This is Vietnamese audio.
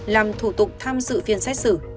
làm thủ tục tham dự phiên xét xử